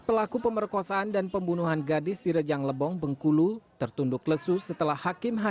pelaku pemerkosaan dan pembunuhan gadis di rejang lebong bengkulu tertunduk lesu setelah hakim